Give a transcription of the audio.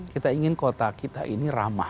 kita ingin kota kita ini ramah